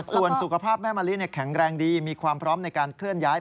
ส่วนสุขภาพแม่มะลิแข็งแรงดีมีความพร้อมในการเคลื่อนย้าย